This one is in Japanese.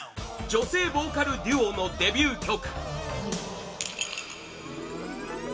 女性ボーカルデュオのデビュー曲